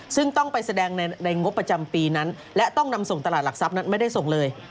ซึ่งต้องไปแสดงในงบประจำปีนั้นและต้องนำส่งตลาดหลักทรัพย์นั้นไม่ได้ส่งเลย